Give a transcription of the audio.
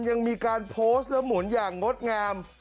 ยังมีการโพสต์แล้วหมุนอย่างงดงาม